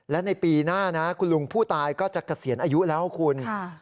และในปีหน้านะคุณลุงผู้ตายก็จะเกษียณอายุแล้วคุณ